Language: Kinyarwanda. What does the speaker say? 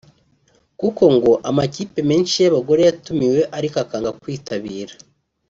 kuko ngo amakipe menshi y’abagore yatumiwe ariko akanga kwitabira